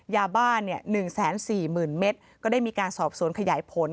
ยาบ้าน๑๔๐๐๐เมตรก็ได้มีการสอบสวนขยายผล